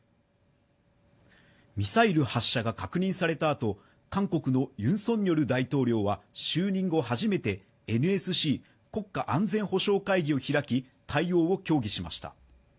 ミサイル発射が確認されたあと韓国のユン・ソンニョル大統領は就任後初めて、ＮＳＣ＝国家安全保障会議を開き、対応を協議しました。